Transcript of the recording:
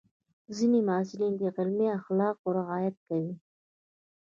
ځینې محصلین د علمي اخلاقو رعایت کوي.